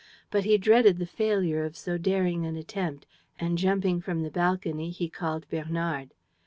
But he dreaded the failure of so daring an attempt and, jumping from the balcony, he called Bernard.